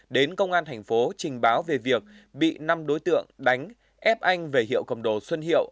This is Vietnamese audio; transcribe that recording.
đến công an thành phố trình báo về việc bị năm đối tượng đánh ép anh về hiệu cầm đồ xuân hiệu